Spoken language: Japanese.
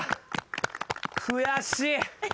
悔しい。